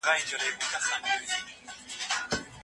دا یو ډېر ستونزمن خو ګټور کار دی.